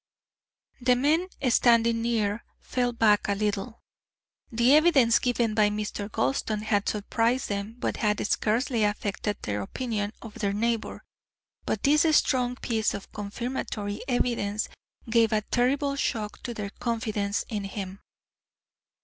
The men standing near fell back a little. The evidence given by Mr. Gulston had surprised them, but had scarcely affected their opinion of their neighbour, but this strong piece of confirmatory evidence gave a terrible shock to their confidence in him.